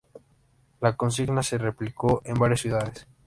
La consigna se replicó en varias ciudades.